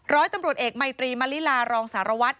ร้อยตำรวจเอกมัยตรีมลิลารองสารวัตร